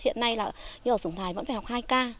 hiện nay là như ở sùng thái vẫn phải học hai k